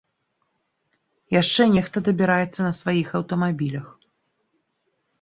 Яшчэ нехта дабіраецца на сваіх аўтамабілях.